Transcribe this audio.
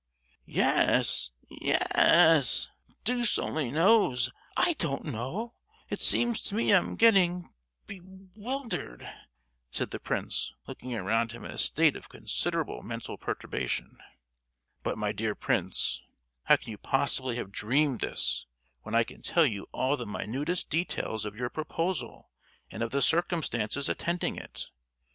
"Ye—yes; deuce only knows. I don't know! It seems to me I'm getting be—wildered," said the prince, looking around him in a state of considerable mental perturbation. "But, my dear Prince, how can you possibly have dreamed this, when I can tell you all the minutest details of your proposal and of the circumstances attending it?